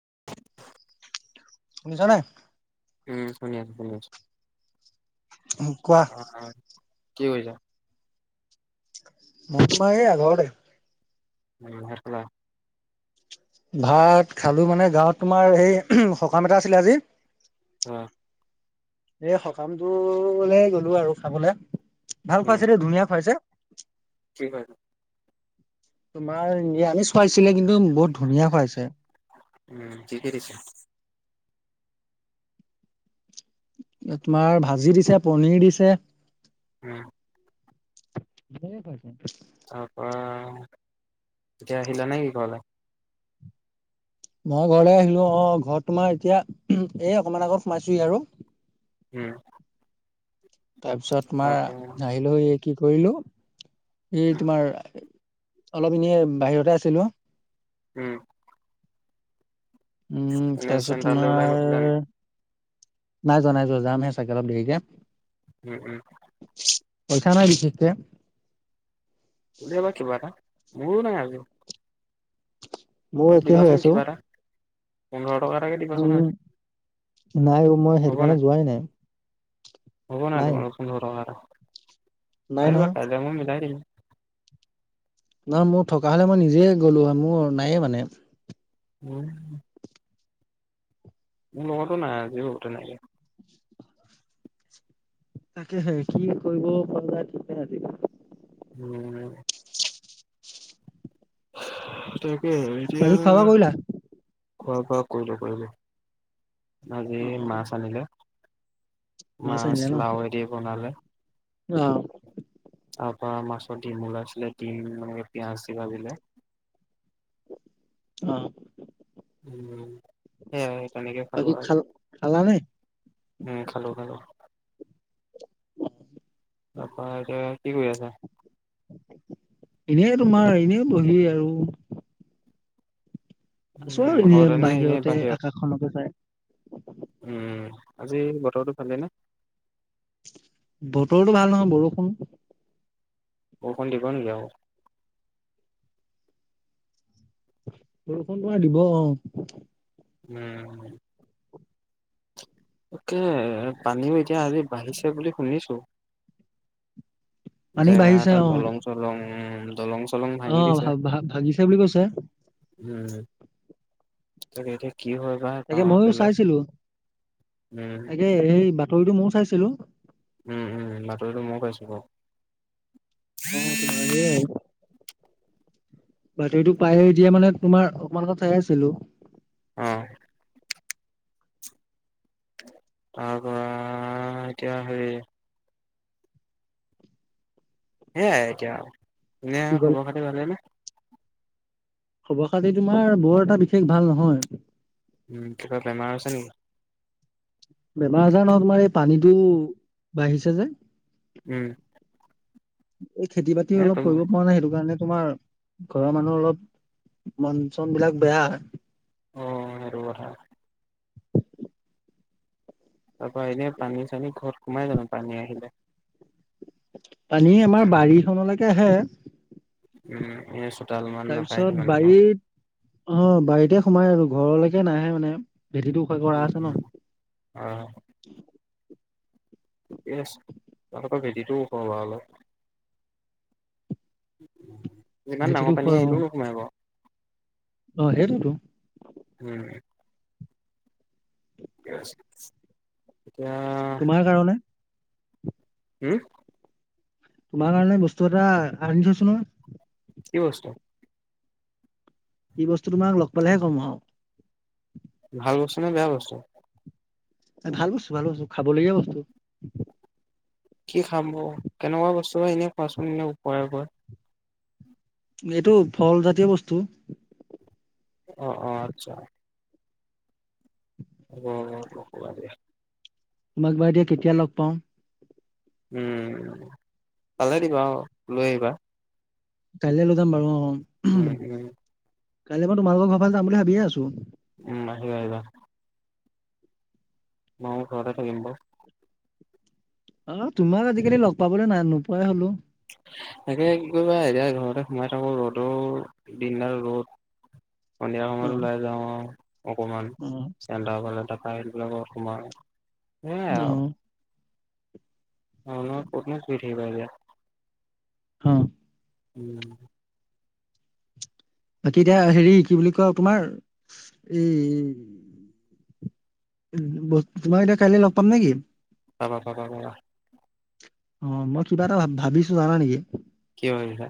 [unintelligible] শুনি ছানে? উম শুনি আছো শুনি আছো কোৱা অ'। কি কৰিছা? মই এ আ ঘৰতে। উম, ভাত খালা? ভাত খালো মানে গাঁৱত তোমাৰ সেই সকাম এটা আছিলে আজি। আহ। এ সকামটো লে গলো আৰু খাবলে, ভাল উম খুৱাইছে দে ধুনীয়া খুৱাইছে। কি খোৱাইছে? টোমাৰ চুৱাইছিলে কিন্তু বহুত ধুনীয়া খুৱাইছে। উম কি কি দিছে তোমাৰ ভাজি দিছে পনিৰ দিছে। উম। [unintelligible] তাৰ পৰাৰা, এতিয়া আহিলা নে কি ঘৰলৈ? মই ঘৰলে আহিলো অ ঘৰত তোমাৰ এতিয়া, এ অকমান আগত সোমাইছোি আৰু। উম। তাৰপিছত তোমাৰ তাৰ পৰা আহিলো এই কি কৰিলো, এই উম তোমাৰ। অলপ এনেই বাহিৰতে আছিলো। উম। উম এনে তাৰপিছত চেণ্টাৰলৈ ওলাই তোমাৰ। গৈছিলা নেকি নাই যোৱা নাই যোৱা যামহে চাগে অলপ দেৰিকে। উম উম। পইচা নাই বিশষ কে উলিয়াবা কিবা এ ন মোৰো নাই আজিও। মই একে হৈ আছো ঔ। কিবা এটা পোন্ধৰ টকা একে দিবাচোন আৰু, নাই অ' মই সেইটো হ'ব কাৰণে ন। যোৱাই নাই হ'ব নাই তোমাৰ ওচৰত পোন্ধৰটকা এটা। নাই আহিবা নহয় কাইলৈ মই মিলাই দিম। নহ মোৰ থকা হলে মই নিজে গ'লো হয় মোৰ নায়ে মানে। উম। মোৰ লগতো নাই আজিটো তেনেকে। তাকে হে কি কৰিব পাৰা ঠিকে আহিবা। উম। তাকে এতিয়া। বাকী খোৱা বোৱা কৰিলা খোৱা বোৱা কৰিলো, কৰিলোঁ, আজি অ মাছ আনিলে। মাছ আনিলে ন লাওঁ এৰি বনালে। অ তাৰ পৰা মাছৰ দিম উলাইছিলে, দিম মানে পিয়াঁজ দি ভাজিলে। উম। উম, সেয়াই তেনেকে বাকী খালোঁ খাল আৰু। খালানে উম, খালোঁ, খালোঁ। তাৰপৰা, এতিয়া কি কৰি আছা? এনেই তোমাৰ, এনেই বহি আৰু চব উম এনে ঘৰতে নে এনেই বাহিৰতে বাহিৰত? আকাশখনকে চাই। উম, আজি বতৰটো ভালেই নে? বতৰটো ভাল নহয়, বৰষুণ। বৰষুণ দিব নেকি আৰু? বৰষুণ পুৰা দিব। উম। তাকে, পানীও এতিয়া আজি বাঢ়িছে বুলি শুনিছোঁ। পানী জেগা বাঢ়িছে এটাত অ দলং চলং উ, দলং চলং অ', ভাঙি দিছে। ভা-ভা ভাগিছে বুলি কৈছে। উম, তাকেই ঠিক। তাকে ময়ো চাইছিলোঁ, উম তাকে সেই বাতৰিটো ময়ো চাইছিলোঁ। উম, উম, বাতৰিতটো মই পাইছো বাৰু। অ', তোমাৰ এয়াই। বাতৰিটো পায়ে এতিয়া মানে তোমাৰ অকমান আগত চাই আছিলো। অ। তাৰপৰা, এতিয়া হেৰি। সেয়াই এতিয়া আৰু কুনে কি কল খবৰ খাতি ভালে ন খবৰ খাতি তোমাৰ বৰ এটা বিশেষ ভাল নহয় উম কিবা বেমাৰ আছে নেকি বেমাৰ আজাৰ নহয় তোমাৰ এই পানীটো বাঢ়িছে যে উম এই খেতি বাতি এ অলপ তুম কৰিব পৰা নাই সেইটো কাৰণে তোমাৰ ঘৰৰ মানুহৰ অলপ মন চন বিলাক বেয়া উ আৰুবা তাৰপা এনে পানী চানী ঘৰত সোমাই জানো পানী আহিলে পানী আমাৰ বাৰীখনলৈকে আহে উম এইছ তাৰপিছত বাৰীত অ বাৰীতে সোমাই আৰু ঘৰলৈকে নাহে মানে ভেটিটোো খয় কৰা উম আছে উম ন ঠিক আছে তৰ ভেটিটো কা অলপ ইমান ভেটিটো ডাঙৰ ওখ অ পানী আহিলেও সোমাই ব অ হো উম এতিয়া তোমাৰ কাৰণে হম তোমাৰ কাৰণে বস্তু এটা আনিছচোন নহ কি বস্তু কি বস্তু তোমাক লগ পালেহে কম আৰু ভাল বস্তা নে বেয়া বস্তু ভাল বস্তু ভাল বছো খাবলগীয়া বস্তু কি খাম কেনেকুৱা বস্তু হয় এনে খোৱাচোন এনে ওপৰে ওপৰত এইটো ফলজাতীয় বস্তু অ অ আচ্ছা উ তোমাক বাৰু এ দিয়য়া কেতিয়া লগ পাওঁ উম তালে দিবা লৈ আহিবা কাইলৈ লৈ যাম বাৰু অ উম উম কাইলে মই তোমালোকৰ ঘৰ ভালে যাম বুলি ভাবিয়ে আছো উম হ হদা ম ঘৰে াগিব অ তোমাক আজিকালি লগ পাবলৈ না নোপোৱাই হলো তাকে কৰিবা এৰিয়া ঘৰত ততে সোমাই থাকো ৰ'দৰ দিনদাৰ ৰ'দ সন্ধিয়া অ সময়ত ওলাই যাওঁ আৰু অকমান অ চডা বালা সবিলাকৰ সোমা সেয়াই অ আৰু অ কতন প থাকিবতি অহ, উম, বাকী এতিয়া হেৰি কি বুলি কয় তোমাৰ এই, তোমাৰ এতিয়া কাইলে লগ পাম নেকি? পাবা-পাবা, অ, মই কিবা এটা ভাবিছো জানা নেকি? কি হয় বা?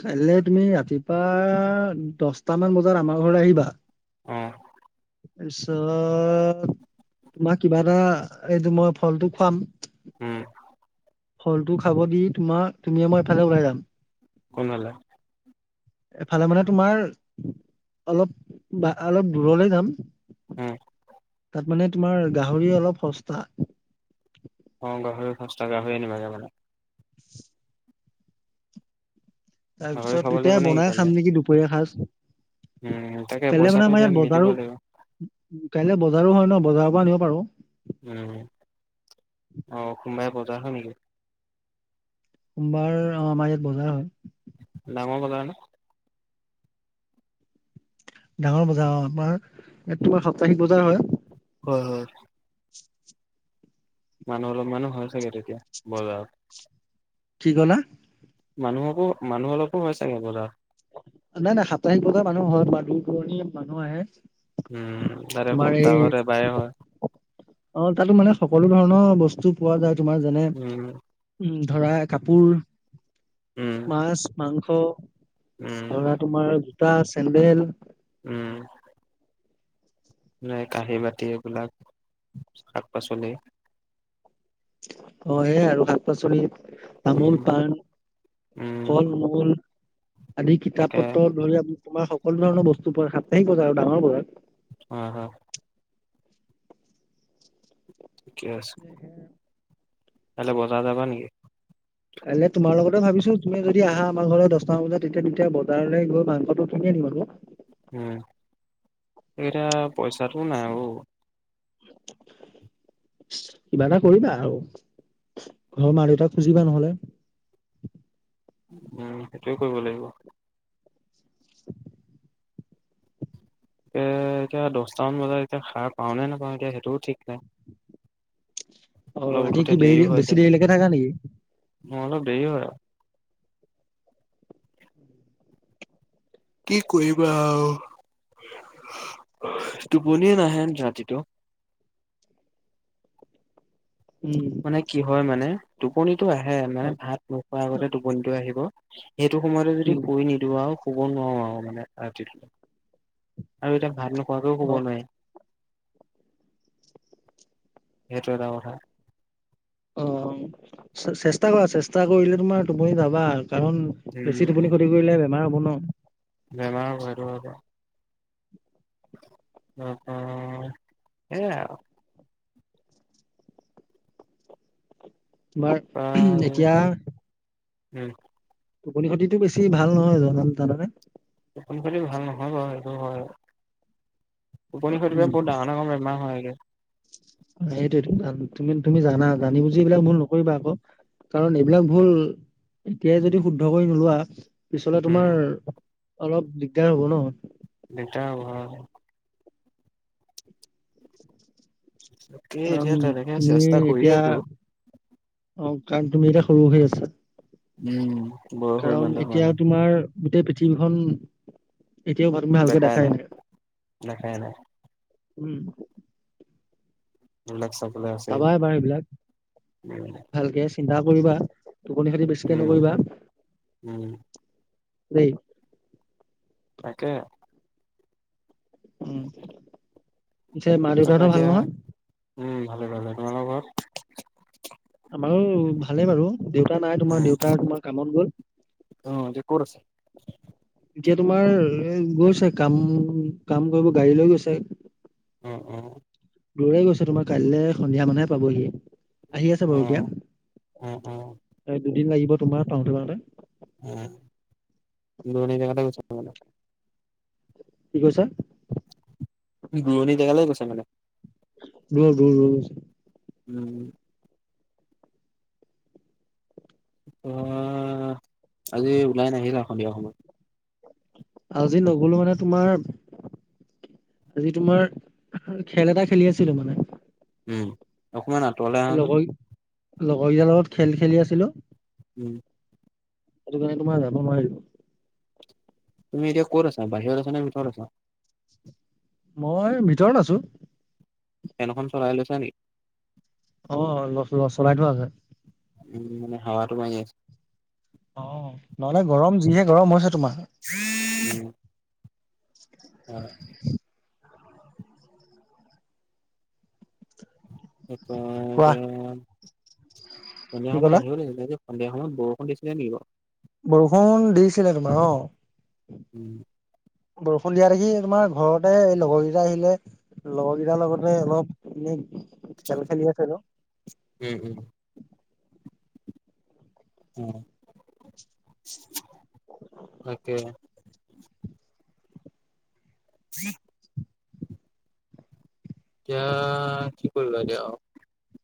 কাইলে তুমি ৰাতিপুৱা দহটামান বজাত আমাৰ ঘৰত আহিবা। অহ, তাৰপিছত তোমাক কিবা এটা এইটো মই ফলটো খুৱাম। উম ফলটো খাব দি তোমাৰ তুমিয়ে মই এফালে ওলাই যাম কোনফালে এফালে মানে তোমাৰ অলপ বা অলপ দূৰলে যাম উম তাত মানে তোমাৰ গাহৰি অলপ সস্তা অ গাহৰি সস্তা গাহৰি আনিবাগে মানে [inaudible] গাহৰি তাৰপিছত খাব লাগিব দুটাই নেকি বনাই কাইলে খাম নেকি দুপৰীয়া সাজ উম তাকে কাইলে মানে পইচাটো আমাৰ এতিয়া ইয়াত মিলিব বজাৰো লাগিব কাইলে বজাৰো হয় ন বজাৰৰ পৰা আনিব পাৰো উম অহ সোমবাৰে বজাৰ হয় নেকি সোমবাৰ অ আমাৰ ইয়াত বজাৰ হয় ডাঙৰ বজাৰ ন ডাঙৰ বজাৰ অ তোমাৰ ইয়াত তোমাৰ সপ্তাহিক বজাৰ হয় হয় হয় মানুহ অলপ মানুহ হয় চাগে তেতিয়া বজাৰত কি কলা মানুহকো মানুহ অলপো হয় চাগে বজাৰ নাই নাই সাপ্তাহিক বজাৰ মানুহ হয় তোমাৰ দূৰ দূৰণিৰ মানুহ আহে উম তাৰে তোমাৰ এই সপ্তাহত এবাৰে হয় অ তাতো মানে সকলো ধৰণৰ বস্তু পোৱা যায় তোমাৰ যেনে উম উম ধৰা কাপোৰ উম মাছ মাংস উম ধৰা তোমাৰ জোতা চেন্দেল উম নাই কাঁহী বাতি এইবিলাক শাক-পাচলি। হয়য়ে আৰু শাক পাচলি তামোল উম পাণ। উম ফল মূল আদি কিতাপ তাকে পত্ৰ ধৰি [unintelligible] তোমাৰ সকলো ধৰণৰ বস্তু পোৱা সাপ্তাহিক বজাৰ আৰু ডাঙৰ বজাত। হয় হয়। ঠিকে আছে [inaudible] কাইলৈ বজাৰ যাবা নেকি? কাইলৈ তোমাৰ লগতে ভাবিছো তুমি যদি আহা আমাৰ ঘৰত দচটামান বজাত তেতিয়া দুটা বজাৰলৈ গৈ মাংসটো কিনি আনি। ব [inaudible] উম এইটা পইচাটো নাই ও। [inaudible] কিবা এটা কৰিবা আৰু। ঘৰৰ মা দেউতাক খুজিবা নহলে। উম সেইটোয়ে কৰিব লাগিব। [inaudible] তে এতিয়া দচটামান বজাত এতিয়া সাৰ পাও নে নোপাওঁ এতিয়া সেইটোও ঠিক নাই। অ অলপ ৰাতি উঠোতে কি বেৰি বেছি দেৰিলৈকে থাকা নেকি? অ', অলপ দেৰি হয় কি কৰিবা আৰু। টোপনিয়ে নাহে ৰাতিটো। উম, মানে কি হয় মানে টোপনিটো আহে অ মানে ভাত নোখোৱাৰ আগতে টোপনিটো আহিব সেইটো সময়তে যদি উম, শুই নিদিওঁ আৰু শুব নোৱাৰো আৰু মানে ৰাতিটো। আৰু এতিয়া ভাত নোখোৱাকেও শুব অ' নোৱাৰি। হেটো এটা কথা। অ', চেষ্টা কৰা চেষ্টা কৰিলে তোমাৰ টোপনি যাবা। কাৰণ উম বেছি টোপনি ক্ষতি কৰিলে বেমাৰ হ'ব ন'। বেমাৰ হয়েটো থাকে। [unintelligible] সেই আৰু তোমাৰ ওহুম এতিয়া। উম। টোপনি ক্ষতিটো বেছি ভাল নহয় জানা জানানে? টোপনি খতি ভাল নহয় বাৰু সেইটো হয় টোপনি খতি উম বহুত ডাঙৰ, ডাঙৰ বেমাৰ হয়গে। সেইটোৱে টো তুমি তুমি জানা জানি বুজি এইবিলাক ভুল ন নকৰিবা আকৌ কাৰণ এইবিলাক ভুল এতিয়াই যদি শুদ্ধ কৰি নোলোৱা পিছলে উম তোমাৰ অলপ দিগদাৰ হ'ব ন'। দিগদাৰ হ'ব হয়। তাকেই কাৰণ এতিয়া তেনেকে তুমি চেষ্টা কৰি এতিয়া, আছো। অ', কাৰণ তুমি এতিয়া সৰু হৈ আছা। উম। বয়সো কাৰণ ইমান এটা হোৱা এতিয়া নাই তোমাৰ গোটেই পৃথিৱীখন। এতিয়াও তুমি ভালকে দেখাই নাই, দেখাই নাই উম। লাগ চ [unintelligible] চাবা এবাৰ সেইবিলাক, ভালকে চিন্তা কৰিবা। টোপনি খতি বেছিকে উম নকৰিবা উম দেই। তাকে। উম। পিছে মা তাৰপৰা দেউতাহতৰ ভাল এতিয়া, নহয়? উম, ভালে, ভালে তোমালোকৰ ঘৰত? আমাৰো ভালে বাৰু দেউতা নাই তোমাৰ দেউতা তোমাৰ কামত গ'ল। উ, এতিয়া ক'ত আছে? এতিয়া তোমাৰ গৈছে কাম, কাম কৰিব গাড়ী লৈ গৈছে। উম, উম। দূৰলে গৈছে তোমাৰ কাইলৈ সন্ধিয়া মানেহে পাবহি। আহি আছে অ বাৰু এতিয়া অ অ অ এ দুদিন লাগিব তোমাৰ পাওঁতে পাওঁতে। উম দূৰণি জেগাতে গৈছে নহ'লে। কি কৈছা? দুৰণি জেগালৈ গৈছে মানে। [unintelligible] উম। অ', আজি ওলাই নাহিলা সন্ধিয়া সময়ত। আজি নগ'লো মানে তোমাৰ আজি তোমাৰ খেল এটা খেলি আছিলো মানে। উম অকমান আঁতৰলে আহাচোন। লগৰ লগৰ কেইটাৰ লগত খেল খেলি আছিলো। উম। সেইটো কাৰণে তোমাৰ যাব নোৱাৰিলো। তুমি এতিয়া ক'ত আছা বাহিৰত আছা নে ভিতৰত আছা? মই ভিতৰত আছো। ফেনখন চলাই লৈছা নি? অ', ল-ল চলাই থোৱা আছে। উম, মানে হাৱাটো মাৰি আছে। অ', নহ'লে গৰম যিহে গৰম হৈছে। তোমাৰ উম। অ'। কি কোৱা কয় এতিয়া সন্ধিয়া কি সময়ত ক'লা আহিব দেই, সন্ধিয়া সময়ত বৰষুণ দিছিলে নি বাৰু? বৰষুণ দিছিলে তোমাৰ অ'। উম বৰষুণ দিয়া দেখি তোমাৰ ঘৰতে লগৰকেইটা আহিলে লগৰকেইটাৰ লগতে অলপ এনে খেল খেলি আছিলোঁ। উম উম উম, তাকে। [inaudible] এতিয়া কি কৰিবা এতিয়া? আউ।